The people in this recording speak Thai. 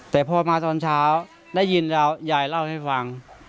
แต่พอมาตอนเช้าได้ยินยายเล่าให้ฟัง